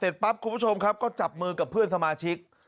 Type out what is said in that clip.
ปั๊บคุณผู้ชมครับก็จับมือกับเพื่อนสมาชิก